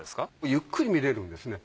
ゆっくり見られるんですね。